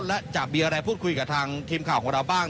และจะมีอะไรพูดคุยกับทางทีมข่าวของเราบ้าง